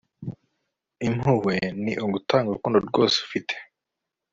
impuhwe ni ugutanga urukundo rwose ufite